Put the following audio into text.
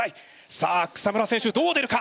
さあ草村選手どう出るか？